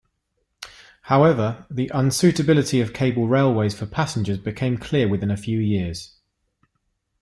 However, the unsuitability of cable railways for passengers became clear within a few years.